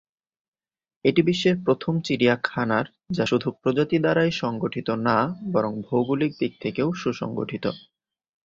এটি বিশ্বের প্রথম চিড়িয়াখানার যা শুধু প্রজাতি দ্বারাই সংগঠিত না বরং ভৌগোলিক দিক থেকেও সুসংগঠিত।